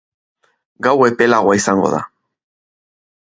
Gaua epelagoa izango da.